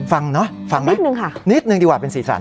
ฟังเนอะฟังนิดนึงค่ะนิดนึงดีกว่าเป็นสีสัน